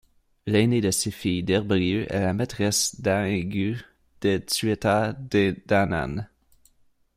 L'ainée de ses filles Derbriu est la maitresse d'Aengus des Tuatha Dé Danann.